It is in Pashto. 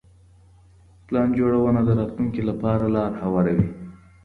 پلان جوړونه د راتلونکي لپاره لاره هواروي.